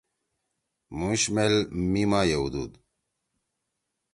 مُوش میل میِما یؤدُود۔